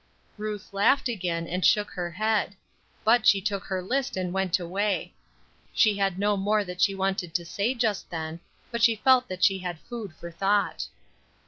Ruth laughed again, and shook her head. But she took her list and went away. She had no more that she wanted to say just then; but she felt that she had food for thought.